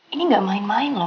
ini nggak main main loh